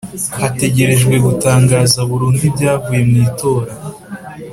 Hategerejwe gutangaza burundu ibyavuye mu itora